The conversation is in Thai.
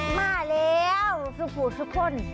มาแล้วสู่ปุติทุกคน